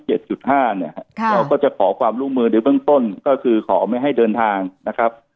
เราก็จะขอความร่วมมือในเบื้องต้นก็คือขอไม่ให้เดินทางนะครับ